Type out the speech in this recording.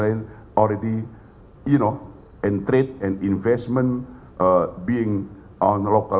dan transaksi dan investasi berada di dalam kewangan lokal